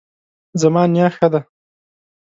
زما نیا ښه ده